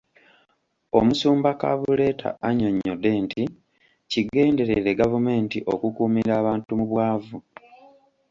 Omusumba Kabuleta annyonnyodde nti kigenderere gavumenti okukuumira abantu mu bwavu.